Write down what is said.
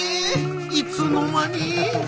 いつの間に？